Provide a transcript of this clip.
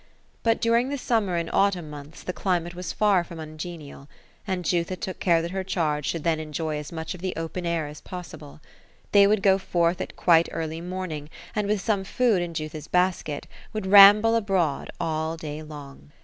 But during the summer and autumn months, the climate was far from ungenial ; and Jutha took care that her charge should then enjoy as much of the open air as possible. They would go forth at quite early morning, and with some food in Jutha's basket, would ramble abroad all day long.